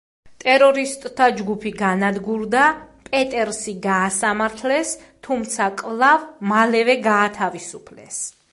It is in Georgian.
ტერორისტთა ჯგუფი განადგურდა, პეტერსი გაასამართლეს, თუმცა კვლავ მალევე გაათავისუფლეს.